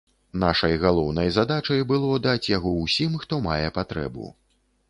Нашай галоўнай задачай было даць яго ўсім, хто мае патрэбу.